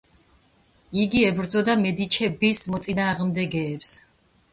იგი ებრძოდა მედიჩების მოწინააღმდეგეებს.